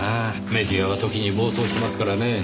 メディアは時に暴走しますからねぇ。